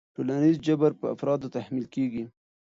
ټولنیز جبر په افرادو تحمیل کېږي.